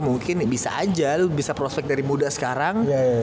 mungkin bisa aja lu bisa prospek dari muda sekarang